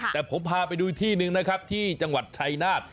แต่ผมพาไปดูอีกที่หนึ่งนะครับที่จังหวัดชายนาฏ